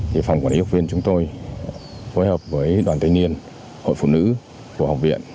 thì phòng quản lý giáo viên chúng tôi phối hợp với đoàn thanh niên hội phụ nữ của học viện